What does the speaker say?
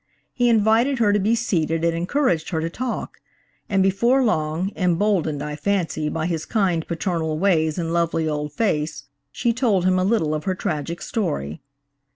He invited her to be seated and encouraged her to talk; and before long, emboldened, I fancy, by his kind, paternal ways and lovely old face, she told him a little of her tragic story.